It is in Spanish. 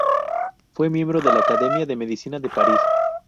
Fue Miembro de la Academia de Medicina de París.